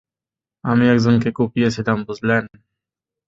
আমি একজনকে কুপিয়েছিলাম, বুঝলেন?